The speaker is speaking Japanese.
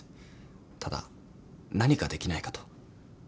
ただ何かできないかと。